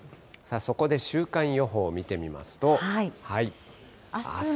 そこで週間予報見てみますと。